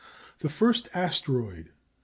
The first asteroid (No.